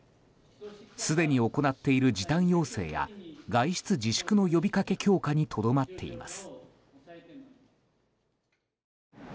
すでに行っている時短要請や外出自粛の呼びかけ強化にとどまっています。